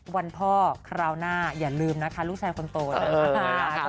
วันพ่อคราวหน้าอย่าลืมนะคะลูกชายคนโตนะคะ